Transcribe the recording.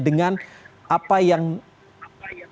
dengan apa yang terjadi